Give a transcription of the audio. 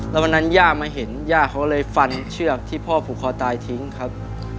แล้ววันนั้นย่ามาเห็นย่าเขาเลยฟันเชือกที่พ่อผูกคอตายทิ้งครับ